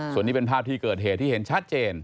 ส่วนนี้เป็นภาพที่เกิดเหตุที่เห็นชัดเจน